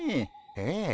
ええ。